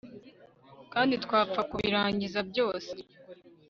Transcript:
Kandi twapfa kubirangiza byose